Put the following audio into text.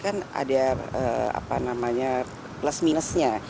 kan ada plus minusnya